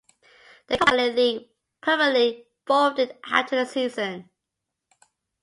The Cumberland Valley League permanently folded after the season.